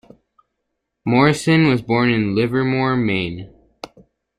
Morrison was born in Livermore, Maine.